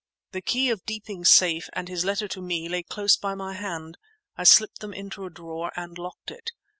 The key of Deeping's safe, and his letter to me, lay close by my hand. I slipped them into a drawer and locked it.